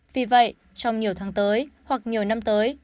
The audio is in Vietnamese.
vì vậy trong nhiều tháng tới hoặc nhiều năm tới